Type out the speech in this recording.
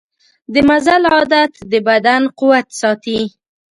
د مزل عادت د بدن قوت ساتي.